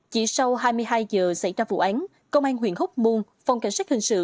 chỉ sau hai mươi hai giờ xảy ra vụ án công an huyện hốc môn phòng cảnh sát hình sự